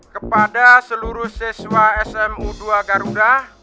kepada seluruh siswa smu dua garuda